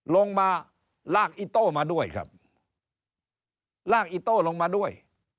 ลงมาลากอิโต้มาด้วยครับลากอีโต้ลงมาด้วย